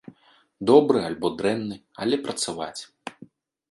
Добры альбо дрэнны, але працаваць.